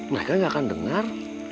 mereka gak akan dengar